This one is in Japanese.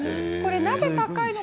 なぜ高いのか。